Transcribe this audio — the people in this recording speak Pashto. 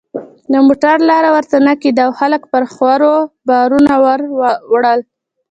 د موټر لاره ورته نه کېده او خلکو پر خرو بارونه ور وړل.